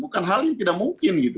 bukan hal yang tidak mungkin gitu